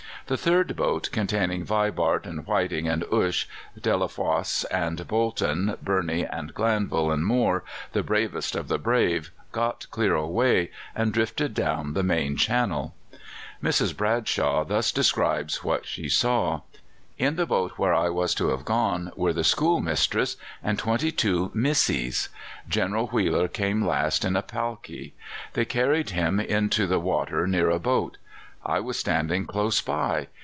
The third boat, containing Vibart and Whiting and Ushe, Delafosse and Bolton, Burney and Glanville and Moore, the bravest of the brave, got clear away, and drifted down the main channel." Mrs. Bradshaw thus describes what she saw: "In the boat where I was to have gone were the school mistress and twenty two missies. General Wheeler came last in a palkee. They carried him into the water near a boat. I was standing close by.